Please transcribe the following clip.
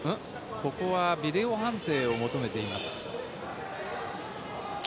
ここはビデオ判定を求めています。